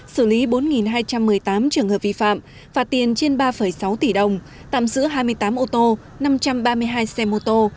xử lý bốn hai trăm một mươi tám trường hợp vi phạm phạt tiền trên ba sáu tỷ đồng tạm giữ hai mươi tám ô tô năm trăm ba mươi hai xe mô tô